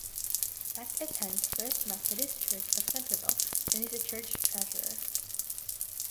Beck attends First Methodist Church of Centerville and is the church treasurer.